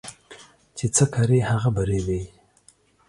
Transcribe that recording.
چي څه کرې ، هغه به رېبې.